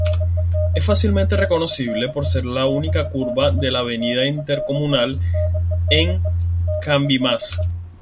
Es fácilmente reconocible por ser la única curva de la Av Intercomunal en Cabimas.